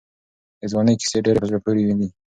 د ځوانۍ کیسې ډېرې په زړه پورې دي.